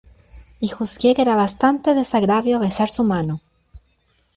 y juzgué que era bastante desagravio besar su mano.